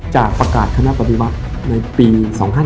จะประกาศคณะปฏิวัติในปี๒๕๕๙